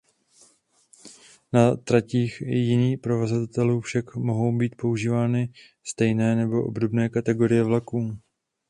Na tratích jiných provozovatelů však mohou být používány stejné nebo obdobné kategorie vlaků.